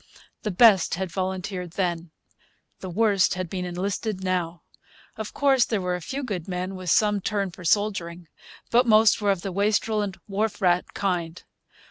The best had volunteered then. The worst had been enlisted now. Of course, there were a few good men with some turn for soldiering. But most were of the wastrel and wharf rat kind.